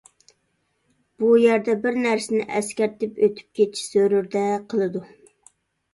بۇ يەردە بىر نەرسىنى ئەسكەرتىپ ئۆتۈپ كېتىش زۆرۈردەك قىلىدۇ.